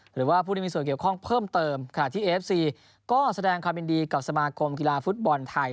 หรือว่าผู้ที่มีส่วนเกี่ยวข้องเพิ่มเติมขณะที่เอฟซีก็แสดงความยินดีกับสมาคมกีฬาฟุตบอลไทย